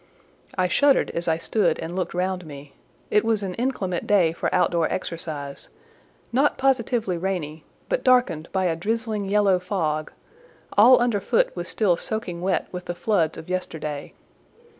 I shuddered as I stood and looked round me: it was an inclement day for outdoor exercise; not positively rainy, but darkened by a drizzling yellow fog; all under foot was still soaking wet with the floods of yesterday.